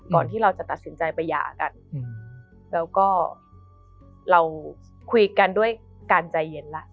ที่เราจะตัดสินใจไปหย่ากันแล้วก็เราคุยกันด้วยการใจเย็นละ